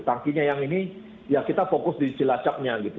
tangkinya yang ini ya kita fokus di cilacapnya gitu